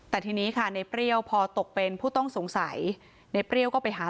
แต่ทีนี้ค่ะในเปรี้ยวพอตกเป็นผู้ต้องสงสัยในเปรี้ยวก็ไปหา